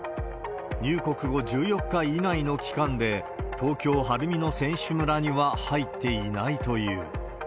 入国後１４日以内の期間で、東京・晴海の選手村には入っていないという。